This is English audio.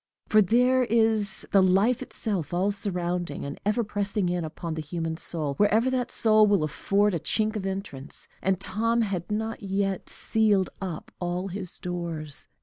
For there is the Life itself, all surrounding, and ever pressing in upon the human soul, wherever that soul will afford a chink of entrance; and Tom had not yet sealed up all his doors.